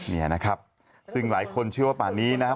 เนี่ยนะครับซึ่งหลายคนเชื่อว่าป่านนี้นะครับ